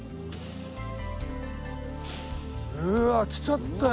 うわあ来ちゃったよ